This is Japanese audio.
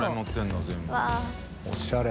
おしゃれ。